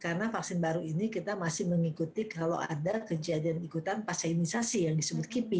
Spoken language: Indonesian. karena vaksin baru ini kita masih mengikuti kalau ada kejadian ikutan pasienisasi yang disebut kipi